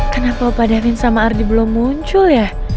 kenapa pak david sama ardi belum muncul ya